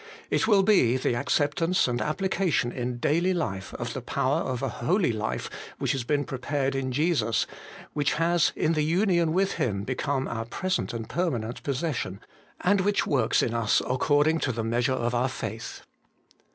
It will be, the acceptance and application in daily life of the power of a holy life which has been prepared in Jesus, which has in the union with Him become our present and permanent possession, and which works in us according to the measure of our faith.